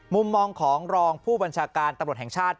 มุมมองของรองผู้บัญชาการตำรวจแห่งชาติ